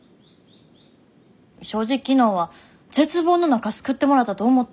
正直昨日は絶望の中救ってもらったと思ってる。